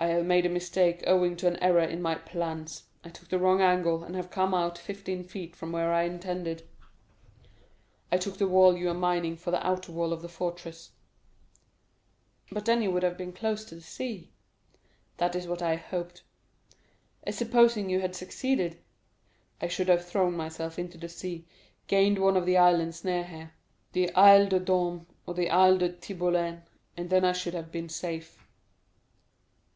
"I have made a mistake owing to an error in my plans. I took the wrong angle, and have come out fifteen feet from where I intended. I took the wall you are mining for the outer wall of the fortress." "But then you would be close to the sea?" "That is what I hoped." "And supposing you had succeeded?" "I should have thrown myself into the sea, gained one of the islands near here—the Isle de Daume or the Isle de Tiboulen—and then I should have been safe."